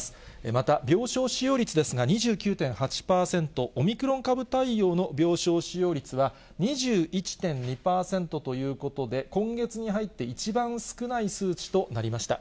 また病床使用率ですが、２９．８％、オミクロン株対応の病床使用率は、２１．２％ということで、今月に入って一番少ない数値となりました。